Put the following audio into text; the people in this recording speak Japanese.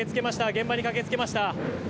現場に駆けつけました。